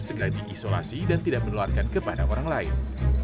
segera diisolasi dan tidak menularkan kepada orang lain